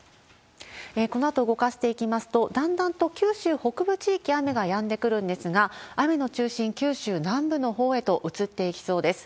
このあと動かしていきますと、だんだんと九州北部地域、雨がやんでくるんですが、雨の中心、九州南部のほうへと移っていきそうです。